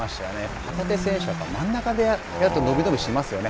旗手選手は真ん中で伸び伸びしますよね。